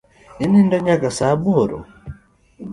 Inindo nyaka saa aboro?